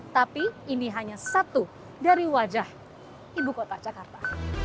tapi ini hanya satu dari wajah ibu kota jakarta